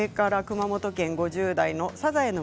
熊本県５０代の方。